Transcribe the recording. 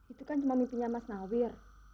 itu kan cuma mimpinya mas nawir